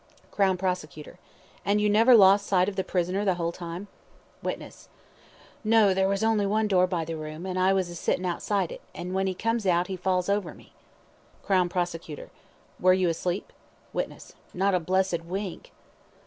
CROWN PROSECUTOR: And you never lost sight of the prisoner the whole time? WITNESS: No, there was only one door by the room, an' I was a sittin' outside it, an' when he comes out he falls over me. CROWN PROSECUTOR: Were you asleep? WITNESS: Not a blessed wink.